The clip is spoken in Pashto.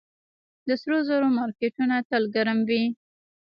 د سرو زرو مارکیټونه تل ګرم وي